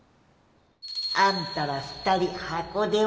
あんたら２人箱で推す